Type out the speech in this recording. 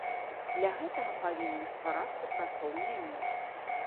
Для гэтага павінны стварацца працоўныя месцы.